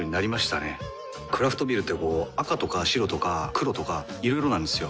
クラフトビールってこう赤とか白とか黒とかいろいろなんですよ。